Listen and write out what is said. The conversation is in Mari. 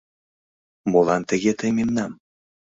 Молан тыге тый мемнам